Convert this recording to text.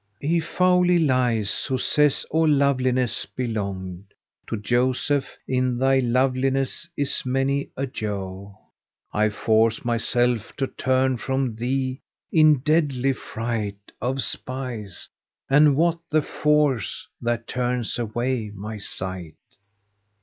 He foully lies who says all loveliness belonged * To Joseph, in thy loveliness is many a Joe: I force myself to turn from thee, in deadly fright * Of spies; and what the force that turns away my sight!"